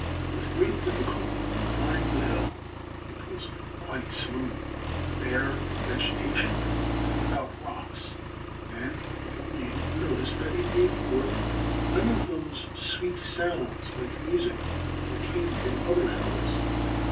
With great difficulty he climbed the hill. It was quite smooth, bare of vegetation and without rocks, and little David noticed that it gave forth none of those sweet sounds like music that came from other hills.